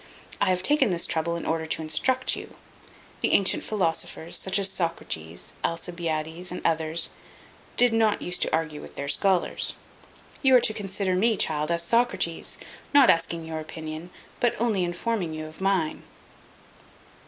I have taken this trouble, in order to instruct you. The antient philosophers, such as Socrates, Alcibiades, and others, did not use to argue with their scholars. You are to consider me, child, as Socrates, not asking your opinion, but only informing you of mine."